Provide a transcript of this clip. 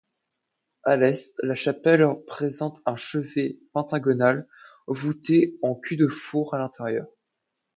À l'est, la chapelle présente un chevet pentagonal, voûté en cul-de-four à l'intérieur.